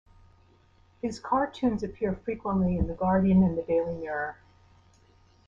His cartoons appear frequently in "The Guardian" and the "Daily Mirror".